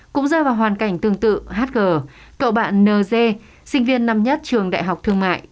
cũng rơi vào hoàn cảnh tương tự hg cậu bạn nz sinh viên năm nhất trường đại học thương mại